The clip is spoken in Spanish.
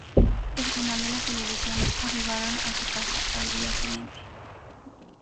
Personal de la televisión arribaron a su casa al día siguiente.